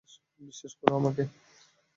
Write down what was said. বিশ্বাস করো আমাকে।